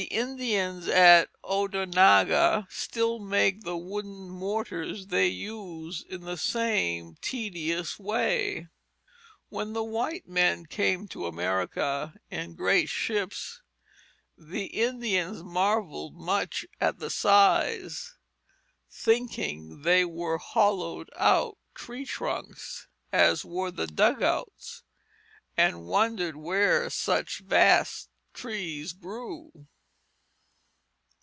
The Indians at Onondaga still make the wooden mortars they use in the same tedious way. When the white men came to America in great ships, the Indians marvelled much at the size, thinking they were hollowed out of tree trunks as were the dugouts, and wondered where such vast trees grew.